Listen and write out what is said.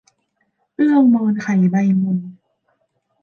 เอื้องมอนไข่ใบมน